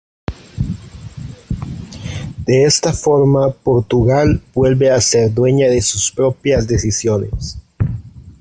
De esta forma Portugal vuelve a ser dueña de sus propias decisiones.